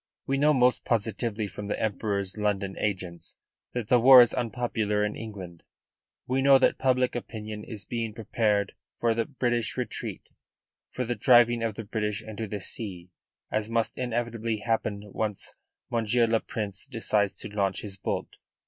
"We know most positively from the Emperor's London agents that the war is unpopular in England; we know that public opinion is being prepared for a British retreat, for the driving of the British into the sea, as must inevitably happen once Monsieur le Prince decides to launch his bolt.